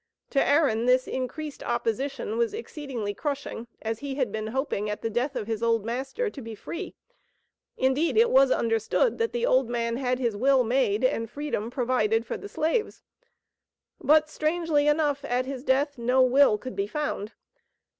To Aaron this increased oppression was exceedingly crushing, as he had been hoping at the death of his old master to be free. Indeed, it was understood that the old man had his will made, and freedom provided for the slaves. But, strangely enough, at his death no will could be found.